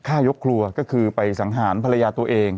ยกครัวก็คือไปสังหารภรรยาตัวเอง